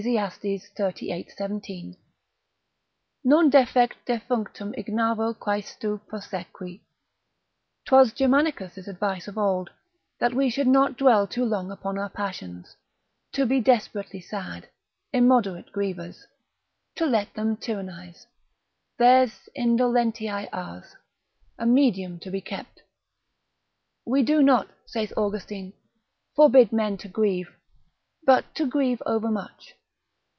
xxxviii. 17. Non decet defunctum ignavo quaestu prosequi; 'twas Germanicus' advice of old, that we should not dwell too long upon our passions, to be desperately sad, immoderate grievers, to let them tyrannise, there's indolentiae, ars, a medium to be kept: we do not (saith Austin) forbid men to grieve, but to grieve overmuch.